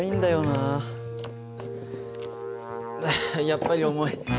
やっぱり重い。